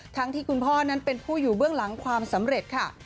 ที่คุณพ่อนั้นเป็นผู้อยู่เบื้องหลังความสำเร็จค่ะ